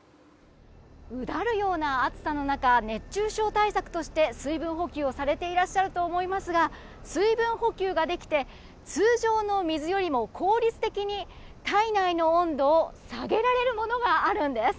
うだるような暑さの中熱中症対策として水分補給をされていらっしゃると思いますが、水分補給ができて通常の水よりも効率的に体内の温度を下げられるものがあるんです。